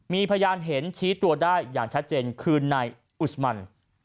มีพยานเห็นชี้ตัวได้อย่างชัดเจนคือนายอุสมัน